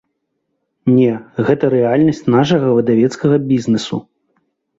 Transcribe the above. Не, гэта рэальнасць нашага выдавецкага бізнесу.